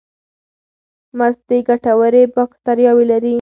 مستې ګټورې باکتریاوې لري.